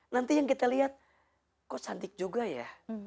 nanti yang kita lihat kok cantik juga ya